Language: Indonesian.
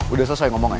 udah selesai ngomong aja